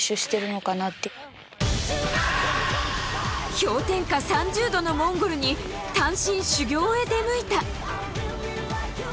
氷点下３０度のモンゴルに単身、修行へ出向いた。